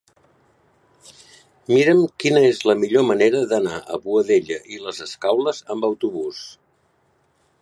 Mira'm quina és la millor manera d'anar a Boadella i les Escaules amb autobús.